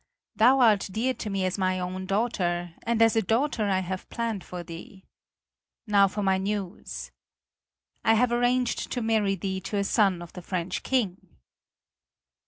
Thou art dear to me as my own daughter, and as a daughter have I planned for thee. Now for my news. I have arranged to marry thee to a son of the French King!"